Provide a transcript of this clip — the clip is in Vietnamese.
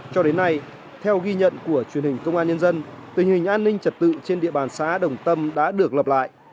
cho đến nay theo ghi nhận của truyền hình công an nhân dân tình hình an ninh trật tự trên địa bàn xã đồng tâm đã được lập lại